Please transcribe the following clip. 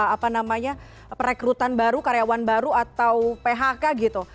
apa namanya perekrutan baru karyawan baru atau phk gitu